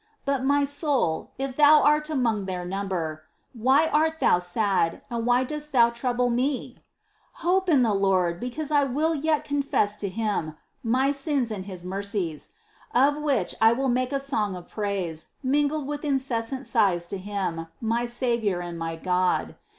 '' But, my soul, if thou art among their number, " Why art thou sad, and why dost thou trouble me ?"» 13. " Hope in the Lord, because I will yet confess to Him "® my sins and His mercies : of which I will make a song of praise, mingled with incessant sighs to Him, my Saviour and my God.